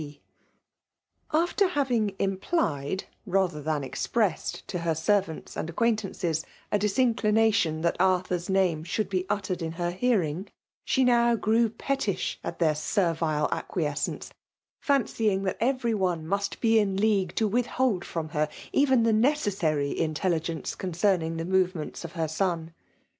P. After having implied rather than expressed to her servants and acquaintances a disincli nation that Arthur*s name should be uttered in her hearing, she now grew pettish at their servile acquiescence ; fancying that every one must be in league to withhold from her even the necessary intelligence concerning the movements of her son.